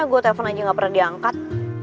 gue telepon aja gak pernah diangkat